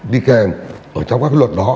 đi kèm ở trong các luật đó